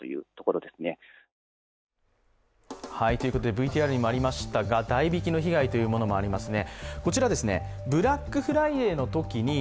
ＶＴＲにもありましたが代引きの被害もありますね。